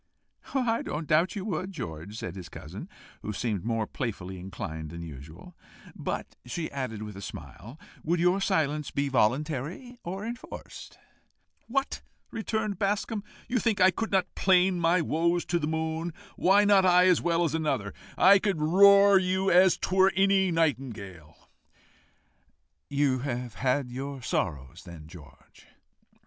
"I don't doubt you would, George," said his cousin, who seemed more playfully inclined than usual. "But," she added, with a smile, "would your silence be voluntary, or enforced?" "What!" returned Bascombe, "you think I could not plain my woes to the moon? Why not I as well as another? I could roar you as 'twere any nightingale." "You have had your sorrows, then, George?"